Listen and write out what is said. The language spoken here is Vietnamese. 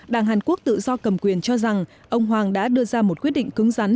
đảng hàn quốc tự do cầm quyền cho rằng ông hoàng đã đưa ra một quyết định cứng rắn